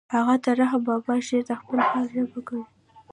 هغه د رحمن بابا شعر د خپل حال ژبه ګڼي